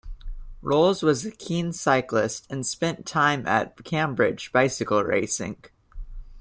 Rolls was a keen cyclist and spent time at Cambridge bicycle racing.